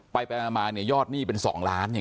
ไปไปมายอดหนี้เป็น๒ล้าน